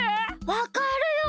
わかるよ！